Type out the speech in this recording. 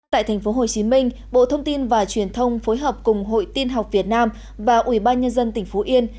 tại tp hcm bộ thông tin và truyền thông phối hợp cùng hội tin học việt nam và ubnd tỉnh phú yên